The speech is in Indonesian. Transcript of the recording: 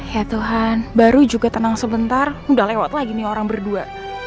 ya tuhan baru juga tenang sebentar udah lewat lagi nih orang berdua